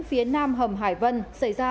phía nam hầm hải vân xảy ra